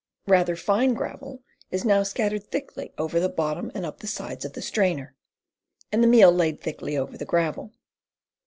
Rather fine gravel is now scattered thickly over the bottom and up the sides of the strainer, and the meal laid thickly over the gravel.